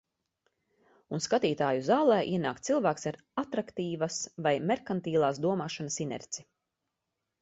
Un skatītāju zālē ienāk cilvēks ar atraktīvas vai merkantilās domāšanas inerci.